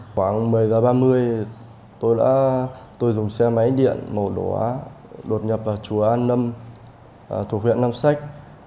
khoảng một mươi giờ ba mươi tôi dùng xe máy điện màu đỏ đột nhập vào chùa an lâm thuộc huyện nam sách